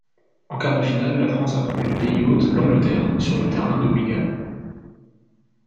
En quart-de-finale, la France affronte le pays-hôte l'Angleterre sur le terrain de Wigan.